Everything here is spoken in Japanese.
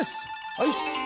はい。